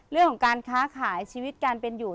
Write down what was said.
เรื่องของการค้าขายชีวิตการเป็นอยู่